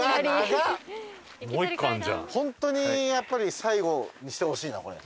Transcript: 本当にやっぱり最後にしてほしいなこれ。